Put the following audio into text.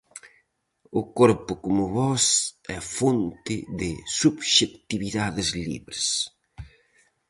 O corpo como voz e fonte de subxectividades libres.